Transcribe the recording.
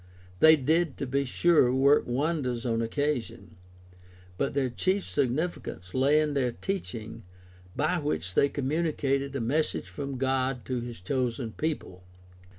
They did, to be sure, work wonders on occasion, but their chief significance lay in their teaching, by which they communicated a message from God to his chosen people.